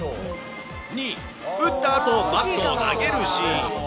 ２、打ったあと、バットを投げるシーン。